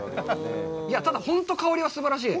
ただ、本当に香りはすばらしい。